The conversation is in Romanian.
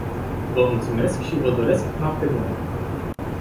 Vă mulțumesc și vă doresc noapte bună.